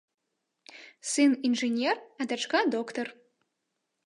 Сын інжынер, а дачка доктар.